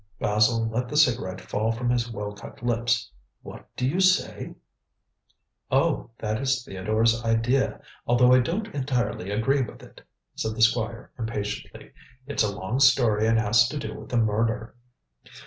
Basil let the cigarette fall from his well cut lips. "What do you say?" "Oh, that is Theodore's idea, although I don't entirely agree with it," said the Squire impatiently. "It's a long story and has to do with the murder."